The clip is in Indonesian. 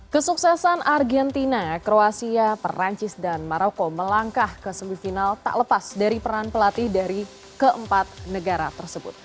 kesuksesan argentina kroasia perancis dan maroko melangkah ke semifinal tak lepas dari peran pelatih dari keempat negara tersebut